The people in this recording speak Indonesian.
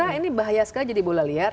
dan saya kira ini bahaya sekali jadi bola liar